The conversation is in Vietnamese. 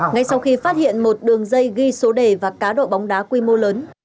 ngay sau khi phát hiện một đường dây ghi số đề và cá độ bóng đá quy mô lớn